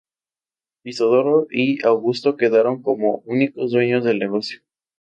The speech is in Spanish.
Isidoro y Augusto quedaron como únicos dueños del negocio.